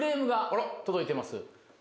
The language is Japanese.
届いています。